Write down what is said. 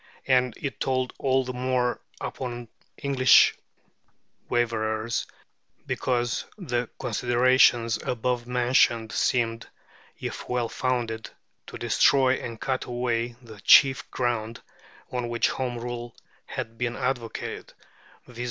And it told all the more upon English waverers, because the considerations above mentioned seemed, if well founded, to destroy and cut away the chief ground on which Home Rule had been advocated, viz.